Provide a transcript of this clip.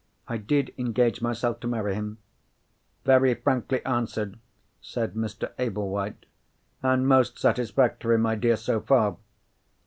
"I did engage myself to marry him." "Very frankly answered!" said Mr. Ablewhite. "And most satisfactory, my dear, so far.